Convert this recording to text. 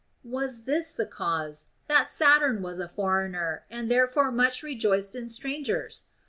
Was this the cause, that Saturn was a for eigner, and therefore much rejoiced in strangers